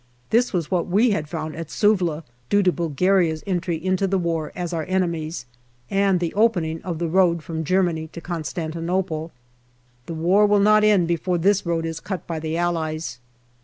This was what we had found at Suvla, due to Bulgaria's entry into the war as our enemies and the opening of the road from Germany to Constan tinople. The war will not end before this road is cut by the Allies.